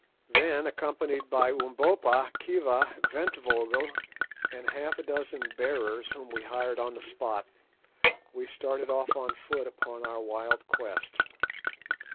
Then, accompanied by Umbopa, Khiva, Ventvögel, and half a dozen bearers whom we hired on the spot, we started off on foot upon our wild quest.